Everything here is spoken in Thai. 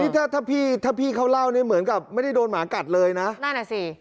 ถ้าถ้าพี่ถ้าพี่เขาเล่าเนี่ยเหมือนกับไม่ได้โดนหมากัดเลยนะนั่นอ่ะสิ